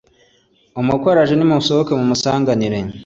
umukwe araje nimusohoke mumusanganire